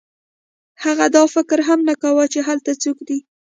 هغه دا فکر هم نه کاوه چې هلته څوک دی